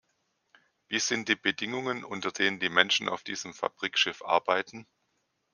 Wie sind die Bedingungen, unter denen die Menschen auf diesem Fabrikschiff arbeiten?